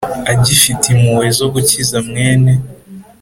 agifite impuhwe zo gukiza mwene